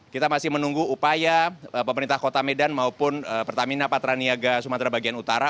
kita masih menunggu upaya pemerintah kota medan maupun pertamina patraniaga sumatera bagian utara